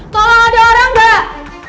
tolong ada orang mbak